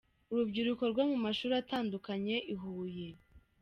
Urubyiruko rwo mu mashuri atandukanye i Huye.